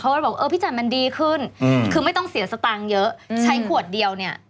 บอกเออพี่ใจมันดีขึ้นคือไม่ต้องเสียสตางค์เยอะใช้ขวดเดียวเนี่ย